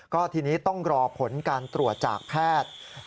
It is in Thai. ก็ทีนี้ต้องรอผลการตรวจจากแพทย์